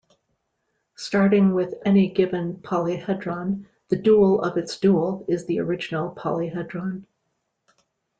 Starting with any given polyhedron, the dual of its dual is the original polyhedron.